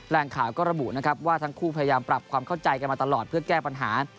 แรงข่าวก็ระบุนะครับว่าทั้งคู่พยายามปรับความเข้าใจกันมาตลอดเพื่อแก้ปัญหา